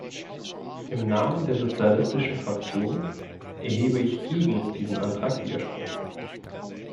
Im Namen der sozialistischen Fraktion erhebe ich gegen diesen Antrag Widerspruch.